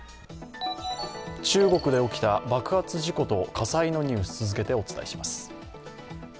中国で起きた爆発事故と火災のニュース、続けてお伝えします。